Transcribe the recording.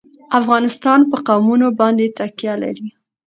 افغانستان په قومونه باندې تکیه لري.